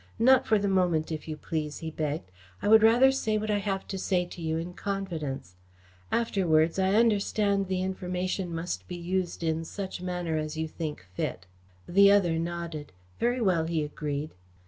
"Not for the moment, if you please," he begged. "I would rather say what I have to say to you in confidence. Afterwards, I understand the information must be used in such manner as you think fit." The other nodded. "Very well," he agreed.